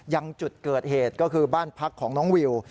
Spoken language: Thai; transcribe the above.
ยังจุดเกิดเหตุก็คือบ้านพักของน้องวิว